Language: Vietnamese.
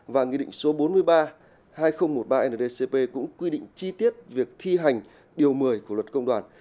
và nghị định số bốn mươi ba hai nghìn một mươi ba ndcp cũng quy định chi tiết việc thi hành điều một mươi của luật công đoàn